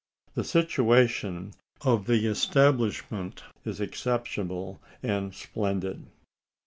The situation of the establishment is exceptional and splendid.